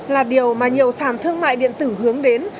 là điều mà nhiều sản thương mại điện tử hướng đến